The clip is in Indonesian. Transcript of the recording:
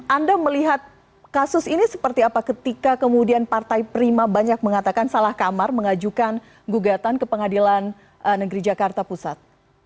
anda melihat kasus ini seperti apa ketika kemudian partai prima banyak mengatakan salah kamar mengajukan gugatan ke pengadilan negeri jakarta pusat